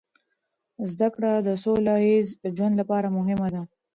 زده کړه د سوله ییز ژوند لپاره مهمه ده.